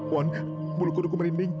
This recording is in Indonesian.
won bulu kuduku merinding